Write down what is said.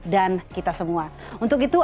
dan kita semua untuk itu